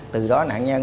từ đó nạn nhân